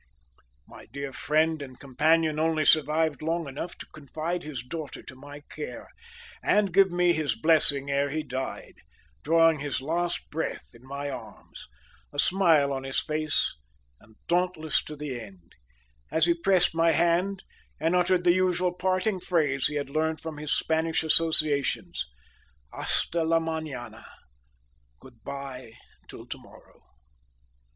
My dear friend and companion only survived long enough to confide his daughter to my care and give me his blessing ere he died, drawing his last breath in my arms, a smile on his face and dauntless to the end, as he pressed my hand and uttered the usual parting phrase he had learnt from his Spanish associates "Hasta la manana Good bye till to morrow!"